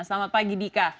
selamat pagi dika